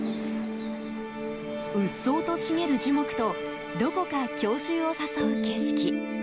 うっそうと茂る樹木とどこか郷愁を誘う景色。